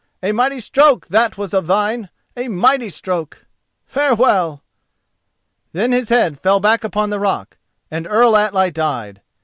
A mighty stroke that was of thine—a mighty stroke! Farewell!" Then his head fell back upon the rock and Earl Atli died.